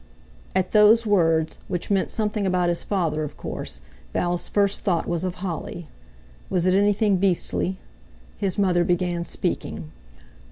At those words, which meant something about his father, of course, Val's first thought was of Holly. Was it anything beastly? His mother began speaking.